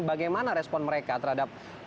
bagaimana respon mereka terhadap